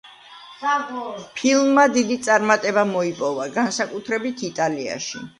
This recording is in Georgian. ფილმმა დიდი წარმატება მოიპოვა, განსაკუთრებით იტალიაში.